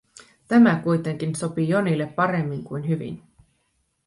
Tämä kuitenkin sopi Jonille paremmin kuin hyvin.